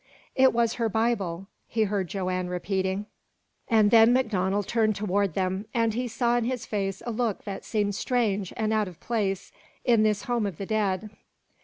"It was her Bible," he heard Joanne repeating; and then MacDonald turned toward them, and he saw in his face a look that seemed strange and out of place in this home of his dead.